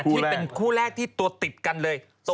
ที่เป็นคู่แรกที่ตัวติดกันเลย